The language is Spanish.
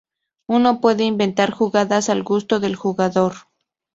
Uno puede inventar jugadas al gusto del jugador.